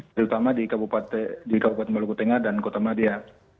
terutama di kabupaten maluku tengah dan kota madia